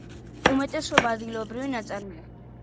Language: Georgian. უმეტესობა ადგილობრივი ნაწარმია.